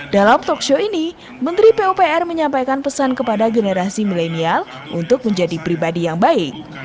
dalam talkshow ini menteri pupr menyampaikan pesan kepada generasi milenial untuk menjadi pribadi yang baik